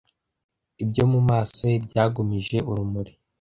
Ibyo mu maso ye byagumije urumuri